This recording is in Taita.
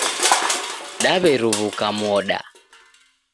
Daw'eruw'uka moda